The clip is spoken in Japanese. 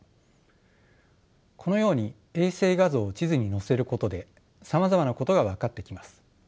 このように衛星画像を地図に載せることでさまざまなことが分かってきます。